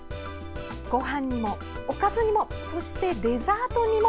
ごはんにもおかずにもそして、デザートにも。